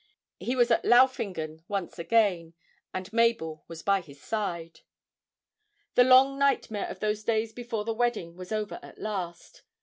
He was at Laufingen once again, and Mabel was by his side. The long nightmare of those days before the wedding was over at last.